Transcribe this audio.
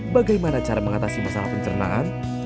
bagaimana cara mengatasi masalah pencernaan